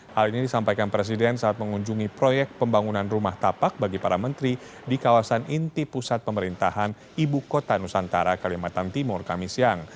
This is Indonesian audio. hal ini disampaikan presiden saat mengunjungi proyek pembangunan rumah tapak bagi para menteri di kawasan inti pusat pemerintahan ibu kota nusantara kalimantan timur kami siang